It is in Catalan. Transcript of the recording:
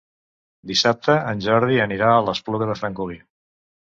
Dissabte en Jordi anirà a l'Espluga de Francolí.